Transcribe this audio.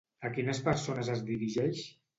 A quines persones es dirigeix?